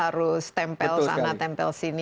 harus tempel sana tempel sini